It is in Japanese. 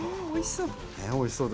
うんおいしそう。